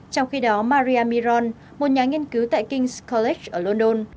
trong khi đó maria miron một nhà nghiên cứu tại king s college ở london